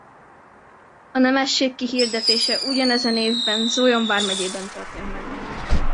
A nemesség kihirdetése ugyanezen évben Zólyom vármegyében történt meg.